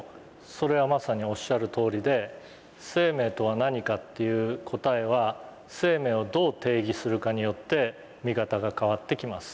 それはまさにおっしゃるとおりで「生命とは何か」っていう答えは生命をどう定義するかによって見方が変わってきます。